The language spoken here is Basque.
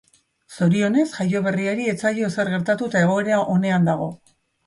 Zorionez, jaioberriari ez zaio ezer gertatu eta egoera onean dago.